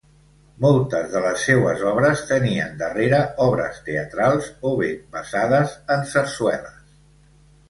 Moltes de les seues obres tenien darrere obres teatrals, o bé basades en sarsueles.